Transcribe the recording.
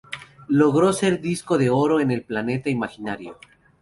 Logró ser Disco de Oro en el Planeta Imaginario.